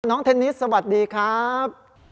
เทนนิสสวัสดีครับ